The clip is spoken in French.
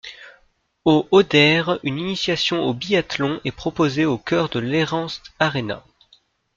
Aux Haudères, une initiation au biathlon est proposée au cœur de l'Hérens Aréna.